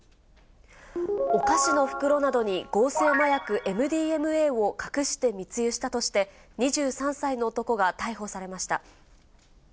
お菓子の袋などに、合成麻薬ＭＤＭＡを隠して密輸したとして、２３歳の男が逮捕されました。